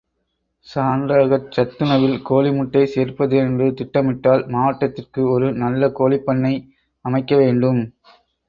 சான்றாகச் சத்துணவில் கோழி முட்டை சேர்ப்பது என்று திட்டமிட்டால் மாவட்டத்திற்கு ஒரு நல்ல கோழிப் பண்ணை அமைக்கவேண்டும்.